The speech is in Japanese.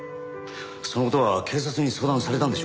その事は警察に相談されたんでしょうか？